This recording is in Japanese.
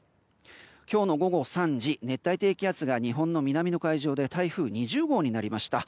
今日の午後３時熱帯低気圧が日本の南の海上で台風２０号になりました。